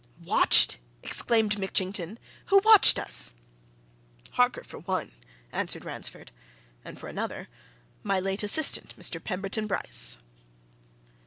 "Watched!" exclaimed Mitchington. "Who watched us?" "Harker, for one," answered Ransford. "And for another my late assistant, Mr. Pemberton Bryce."